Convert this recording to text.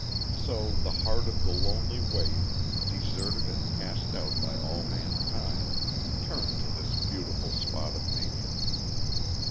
So the heart of the lonely waif, deserted and cast out by all mankind, turned to this beautiful spot of nature.